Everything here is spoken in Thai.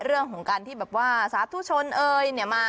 เรื่องของการที่แบบว่าสาธุชนเอยเนี่ยมา